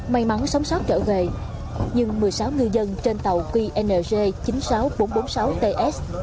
may mắn sống sót trở về nhưng một mươi sáu ngư dân trên tàu qng chín mươi sáu nghìn bốn trăm bốn mươi sáu ts